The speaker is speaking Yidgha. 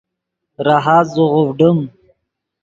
راحت زیغوڤڈیم